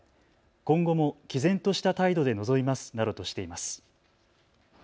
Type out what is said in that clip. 今後もきぜんとした態度で臨みますなどとしています。